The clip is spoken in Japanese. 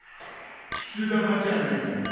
くす玉じゃないかな。